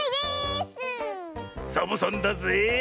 サボさんだぜえ！